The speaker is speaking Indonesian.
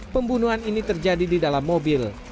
pembunuhan ini terjadi di dalam mobil